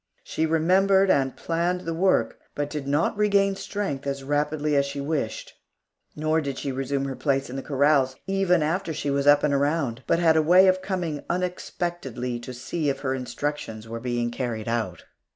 She remembered and planned the work, but did not regain strength as rapidly as she wished; nor did she resume her place in the corrals, even after she was up and around, but had a way of coming unexpectedly to see if her instructions were being carried out.